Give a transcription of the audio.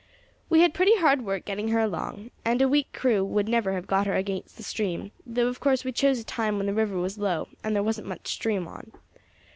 We had pretty hard work getting her along, and a weak crew would never have got her against the stream, though of course we chose a time when the river was low and there wasn't much stream on.